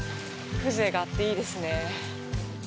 風情があっていいですね。